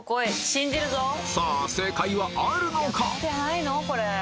さあ正解はあるのか？